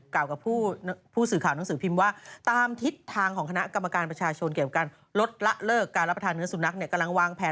กับผู้สื่อข่าวหนังสือพิมพ์ว่าตามทิศทางของคณะกรรมการประชาชนเกี่ยวกับการลดละเลิกการรับประทานเนื้อสุนัขเนี่ยกำลังวางแผน